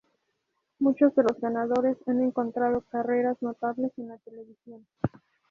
Muchos de los ganadores han encontrado carreras notables en la televisión.